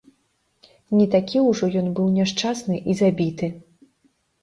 Не такі ўжо ён быў няшчасны і забіты!